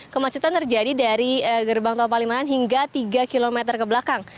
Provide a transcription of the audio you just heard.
kemacetan terjadi dari gerbang tol palimanan hingga tiga km ke belakang